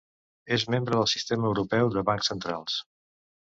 És membre del Sistema Europeu de Bancs Centrals.